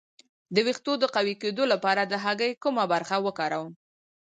د ویښتو د قوي کیدو لپاره د هګۍ کومه برخه وکاروم؟